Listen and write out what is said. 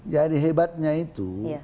ya ada hebatnya itu